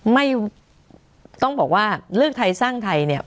ไม่ต้องบอกว่าเลือกไทยสร้างไทยเนี่ย